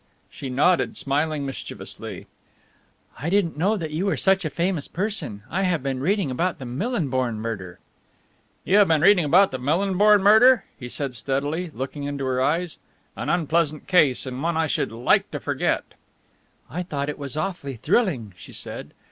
She nodded, smiling mischievously. "I didn't know that you were such a famous person I have been reading about the Millinborn murder." "You have been reading about the Millinborn murder?" he said steadily, looking into her eyes. "An unpleasant case and one I should like to forget." "I thought it was awfully thrilling," she said.